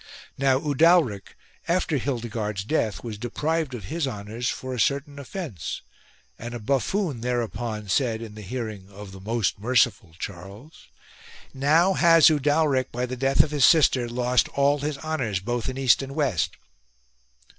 Now Udalric, after Hildi gard's death, was deprived of his honours for a certain offence ; and a buffoon thereupon said in the hearing of the most merciful Charles :" Now has Udalric, by the death of his sister, lost all his honours both 77 HOSPITALITY REWARDED in east and west."